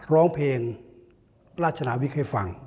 ร้องเพลงราชนาวิกให้ฟัง